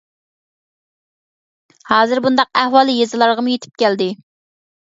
ھازىر بۇنداق ئەھۋال يېزىلارغىمۇ يېتىپ كەلدى.